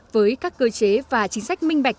với các cơ chế và chính sách minh bạch